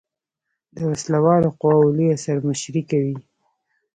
د وسله والو قواؤ لویه سر مشري کوي.